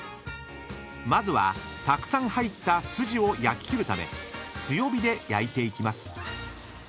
［まずはたくさん入った筋を焼き切るため強火で焼いていきます］